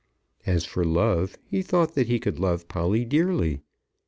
As for love, he thought he could love Polly dearly.